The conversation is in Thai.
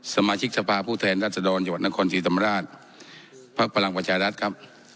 สมาชิกทราบาศราจรดคลนท์จันนครสตรีธรรมราชพหลังประชารัฐครับ